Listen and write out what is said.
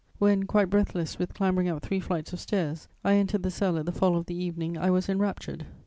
When, quite breathless with clambering up three flights of stairs, I entered the cell at the fall of evening, I was enraptured.